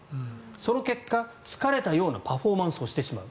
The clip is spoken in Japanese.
その結果、疲れたようなパフォーマンスをしてしまう。